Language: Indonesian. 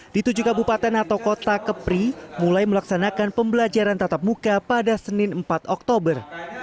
di tujuh kabupaten atau kota kepri mulai melaksanakan pembelajaran tatap muka pada senin empat oktober